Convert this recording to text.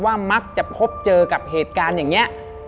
มักจะพบเจอกับเหตุการณ์อย่างนี้